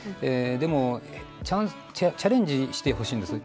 でもチャレンジしてほしいんです。